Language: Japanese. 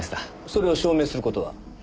それを証明する事は？